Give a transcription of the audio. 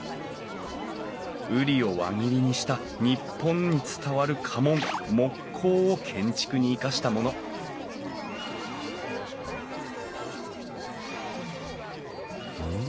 瓜を輪切りにした日本に伝わる家紋木瓜を建築に生かしたものふん。